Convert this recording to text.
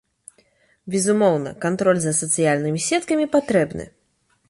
Безумоўна, кантроль за сацыяльнымі сеткамі патрэбны.